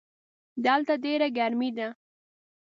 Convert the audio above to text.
دلته ډېره ګرمي ده.